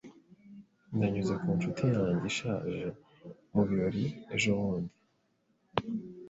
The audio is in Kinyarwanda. Nanyuze ku ncuti yanjye ishaje mu birori ejobundi.